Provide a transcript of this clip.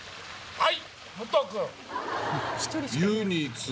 はい！